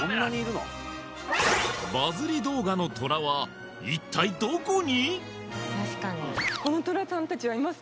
バズリ動画のトラは一体どこに？